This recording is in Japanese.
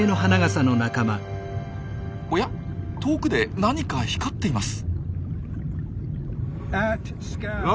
おや遠くで何か光っています。